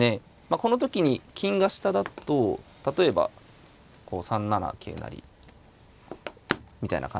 この時に金が下だと例えばこう３七桂成みたいな感じで。